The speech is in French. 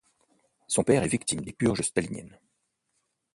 Son père est victime des purges staliniennes.